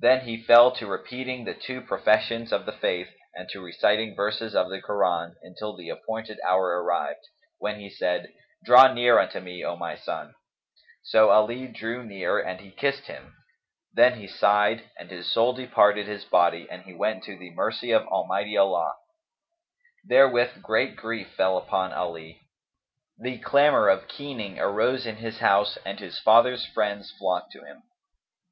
Then he fell to repeating the two professions of the Faith and to reciting verses of the Koran, until the appointed hour arrived, when he said, "Draw near unto me, O my son." So Ali drew near and he kissed him; then he sighed and his soul departed his body and he went to the mercy of Almighty Allah.[FN#261] Therewith great grief fell upon Ali; the clamour of keening arose in his house and his father's friends flocked to him.